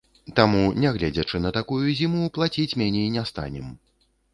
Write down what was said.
Таму, нягледзячы на такую зіму, плаціць меней не станем.